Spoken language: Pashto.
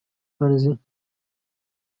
خانزي